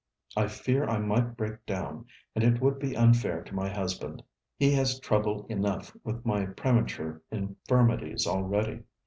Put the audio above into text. I fear I might break down, and it would be unfair to my husband. He has trouble enough with my premature infirmities already.